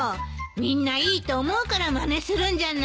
みんないいと思うからまねするんじゃない。